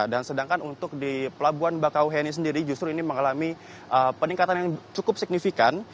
dan sedangkan untuk di pelabuhan bakauheni sendiri justru ini mengalami peningkatan yang cukup signifikan